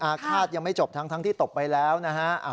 อาฆาตยังไม่จบทั้งที่ตบไปแล้วนะฮะ